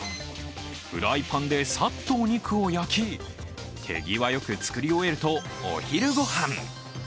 フライパンでさっとお肉を焼き手際よく作り終えるとお昼ごはん。